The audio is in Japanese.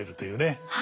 はい。